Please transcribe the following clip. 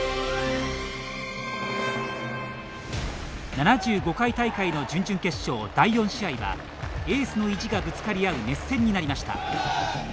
７５回大会の準々決勝第４試合はエースの意地がぶつかり合う熱戦になりました。